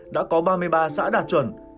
đã có ba mươi ba xã đạt chuẩn